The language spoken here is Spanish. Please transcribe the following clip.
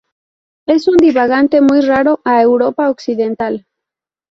Es un divagante muy raro a Europa occidental.